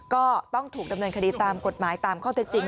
ก็ต้องถูกดำเนินคดีตามกฎหมายตามข้อเท็จจริง